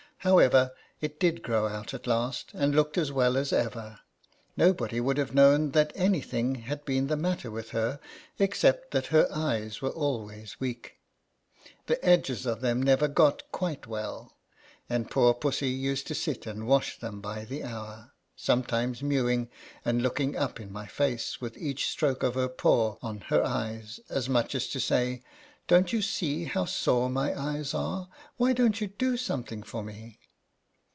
However, it did grow out at last, and looked as well as ever. Nobody would have known that any thing had been the matter with her, except that her eyes were always weak. The edges of them never got quite well ; and poor Pussy used to sit and wash them by the hour ; ^sometimes mewing and looking up in my face, with each stroke of her paw on her INTR OD UCTION. 1 7 eyes, as much as to say, " Don't you see how sore my eyes are? Why don't you do something for me